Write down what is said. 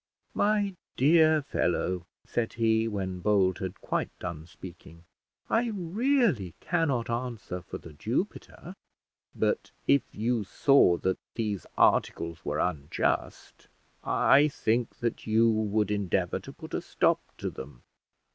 "My dear fellow," said he, when Bold had quite done speaking, "I really cannot answer for The Jupiter." "But if you saw that these articles were unjust, I think that you would endeavour to put a stop to them.